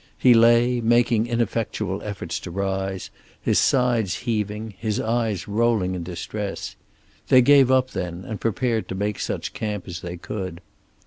He lay, making ineffectual efforts to rise, his sides heaving, his eyes rolling in distress. They gave up then, and prepared to make such camp as they could.